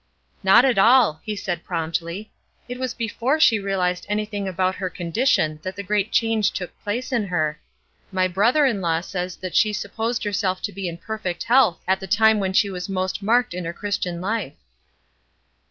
"Not at all," he said, promptly; "it was before she realized anything about her condition that the great change took place in her. My brother in law says that she supposed herself to be in perfect health at the time when she was most marked in her Christian life."